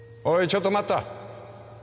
ちょっと待った。